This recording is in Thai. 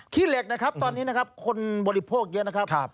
ขี้เหล็กนะครับตอนนี้นะครับคนบริโภคเยอะนะครับ